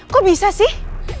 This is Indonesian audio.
kok bisa sih